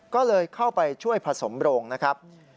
ก็เลยเข้าไปช่วยผสมโรงนะครับ